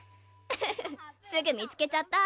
ウフフすぐ見つけちゃった。